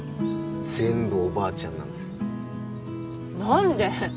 全部おばあちゃんなんです何で？